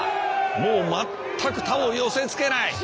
もう全く他を寄せつけない。